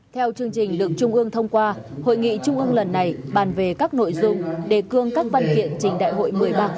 theo chương trình được trung ương thông qua hội nghị trung ương lần này bàn về các nội dung đề cương các văn kiện trình đại hội một mươi ba của đảng